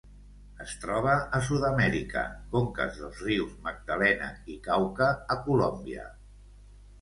Es troba a Sud-amèrica: conques dels rius Magdalena i Cauca a Colòmbia.